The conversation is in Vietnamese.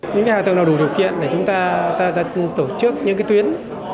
những hạ tầng nào đủ điều kiện để chúng ta tổ chức những tuyến